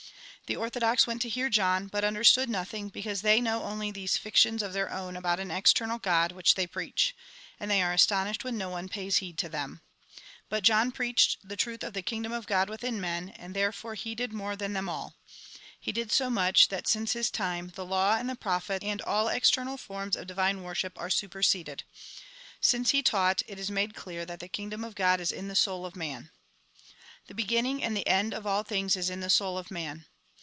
The orthodox went to hear John, but under stood nothing, because they know only those fictions of their own about an external God, which they preach ; and they are astonished when no one pays heed to them. But John preached the truth of the Kingdom of God within men, and therefore he did more than them all. He did so much that, since his time, the law and the prophets, and all external forms of divine worship, are superseded. Since he taught, it is made clear that the Kingdom of God is in the soul of man. " The beginning and the end of all things is in 173 174 THE GOSPEL IN BRIEF the soul of man.